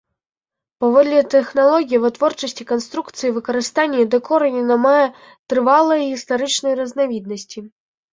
Паводле тэхналогіі вытворчасці, канструкцый, выкарыстання і дэкору яна мае трывалыя гістарычныя разнавіднасці.